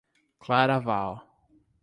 Claraval